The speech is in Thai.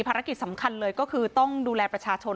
ภารกิจสำคัญเลยก็คือต้องดูแลประชาชน